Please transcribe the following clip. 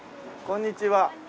こんにちは。